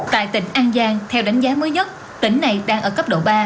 tại tỉnh an giang theo đánh giá mới nhất tỉnh này đang ở cấp độ ba